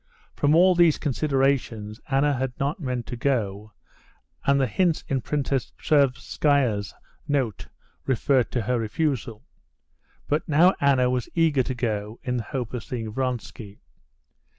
From all these considerations Anna had not meant to go, and the hints in Princess Tverskaya's note referred to her refusal. But now Anna was eager to go, in the hope of seeing Vronsky.